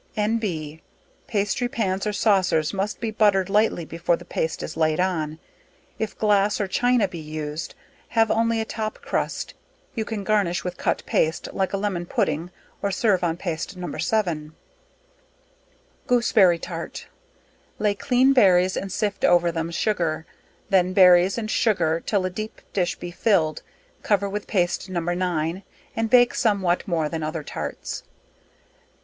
N.B. pastry pans, or saucers, must be buttered lightly before the paste is laid on. If glass or China be used, have only a top crust, you can garnish with cut paste, like a lemon pudding or serve on paste No. 7. Gooseberry Tart. Lay clean berries and sift over them sugar, then berries and sugar 'till a deep dish be filled, cover with paste No. 9, and bake some what more than other tarts.